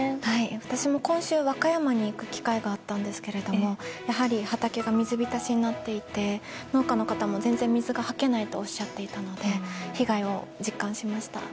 私も今週、和歌山に行く機会があったんですがやはり畑が水浸しになっていて農家の方も、全然水がはけないとおっしゃっていたので被害を実感しました。